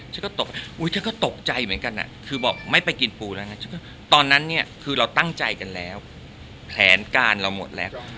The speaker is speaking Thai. ฉันก็ตกใจอุ๊ยฉันก็ตกใจเหมือนกันคือบอกไม่ไปกินปูแล้วไงตอนนั้นเนี่ยคือเราตั้งใจกันแล้วแผนการเราหมดแล้ว